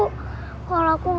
mungkin dwords aku juga